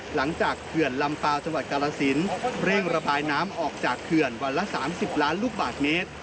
เขื่อนลำเปล่าจังหวัดกาลสินเร่งระบายน้ำออกจากเขื่อนวันละ๓๐ล้านลูกบาทเมตร